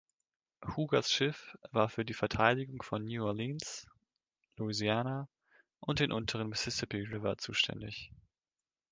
Hugers Schiff war für die Verteidigung von New Orleans, Louisiana und den unteren Mississippi River zuständig.